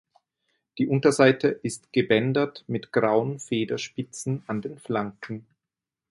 Die Unterseite ist gebändert mit grauen Federspitzen an den Flanken.